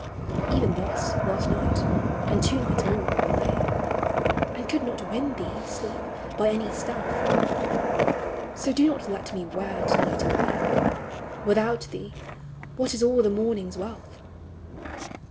Even thus last night, and two nights more, I lay, And could not win thee, Sleep, by any stealth : So do not let me wear to night away ; Without thee what is all the morning's wraith?